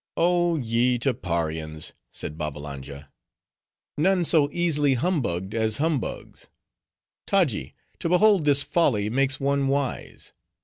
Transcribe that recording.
"Oh ye Tapparians," said Babbalanja, "none so easily humbugged as humbugs. Taji: to behold this folly makes one wise.